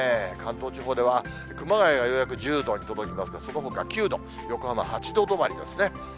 関東地方では、熊谷がようやく１０度に届きまして、そのほか９度、横浜８度止まりですね。